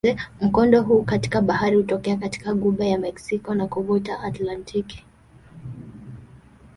Mkondo huu katika bahari hutokea katika ghuba ya Meksiko na kuvuka Atlantiki.